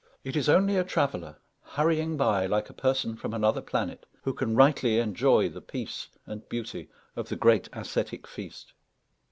It is only a traveller, hurrying by like a person from another planet, who can rightly enjoy the peace and beauty of the great ascetic feast.